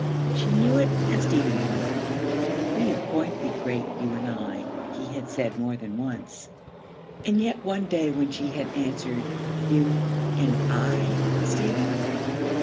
She knew it and Stephen knew it. 'We are going to be great, you and I,' he had said more than once. And yet one day when she had answered, 'You and I, Stephen?'